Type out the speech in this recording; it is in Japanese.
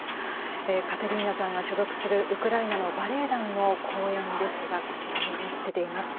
カテリーナさんが所属するウクライナのバレエ団の公演はこちらに出ています。